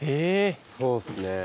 そうっすね。